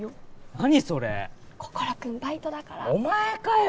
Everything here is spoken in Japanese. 何それ心君バイトだからお前かよ